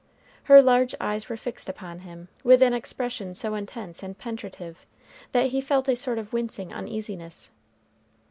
Her large eyes were fixed upon him with an expression so intense and penetrative, that he felt a sort of wincing uneasiness.